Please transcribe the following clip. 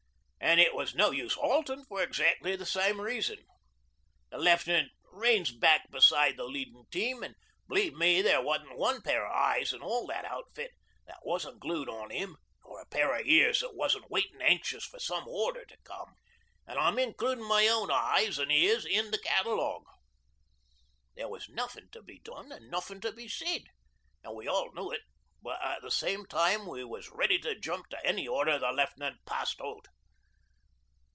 An' it was no use haltin' for exactly the same reason. The Left'nant reins back beside the leadin' team, an' believe me there wasn't one pair o' eyes in all that outfit that wasn't glued on 'im nor a pair o' ears that wasn't waitin' anxious for some order to come, an' I'm includin' my own eyes an' ears in the catalogue. There was nothin' to be done an' nothin' to be said, an' we all knew it, but at the same time we was ready to jump to any order the Left'nant passed out.